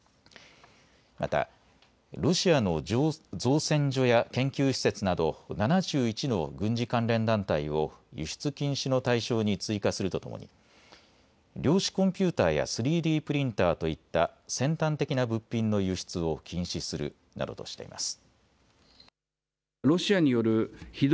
また、ロシアの造船所や研究施設など７１の軍事関連団体を輸出禁止の対象に追加するとともに量子コンピューターや３Ｄプリンターといった先端的な物品の輸出を禁止するなどとしています。